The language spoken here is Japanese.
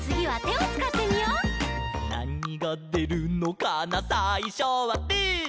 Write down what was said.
「なにがでるのかなさいしょはぶー」